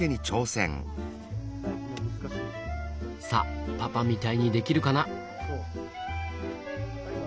さあパパみたいにできるかな？